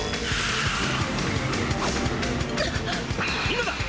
今だ！